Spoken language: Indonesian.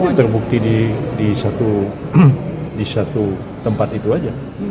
itu terbukti di satu tempat itu aja